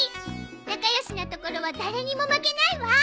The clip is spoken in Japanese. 仲良しなところは誰にも負けないわ。